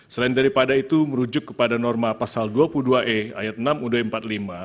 selain daripada itu merujuk kepada norma pasal dua puluh dua e ayat enam u dua puluh lima